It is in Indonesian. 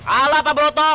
alah pak broto